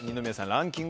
ランキング